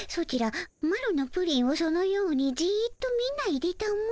マロのプリンをそのようにじっと見ないでたも。